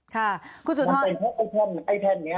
มันเป็นเพราะไอแพ่งนี้